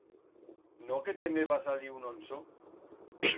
No que te me va salir un onso!